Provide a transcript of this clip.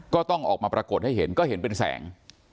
ก็ต้องออกมาปรากฏให้เห็นก็เห็นเป็นแสง